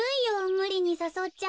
むりにさそっちゃ。